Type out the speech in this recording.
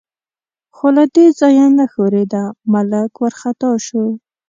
خو له دې ځایه نه ښورېده، ملک وارخطا شو.